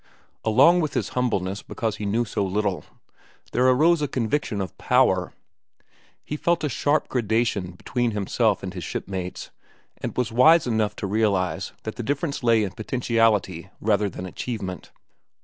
Along with his humbleness because he knew so little, there arose a conviction of power. He felt a sharp gradation between himself and his shipmates, and was wise enough to realize that the difference lay in potentiality rather than achievement.